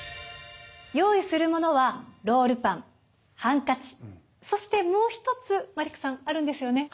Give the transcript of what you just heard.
用意するものはロールパンハンカチそしてもう一つマリックさんあるんですよね？